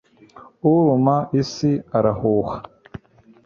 uruma isi arahuha